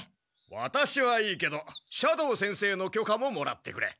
ワタシはいいけど斜堂先生の許可ももらってくれ。